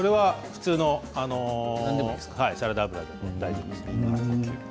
普通のサラダ油で大丈夫です。